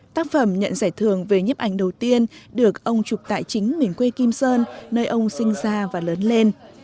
tác phẩm nhận giải thưởng về nhiếp ảnh đầu tiên được ông chụp tại chính miền quê kim sơn nơi ông sinh ra và lớn lên